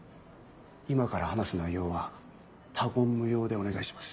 今から話す内容は他言無用でお願いします。